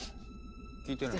聞いてない。